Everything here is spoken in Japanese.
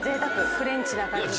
フレンチな感じだ。